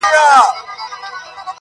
خو دې به سمعې څو دانې بلــــي كړې.